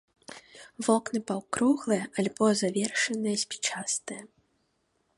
Вокны паўкруглыя альбо завершаныя спічастыя.